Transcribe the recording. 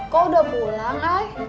kok udah pulang ay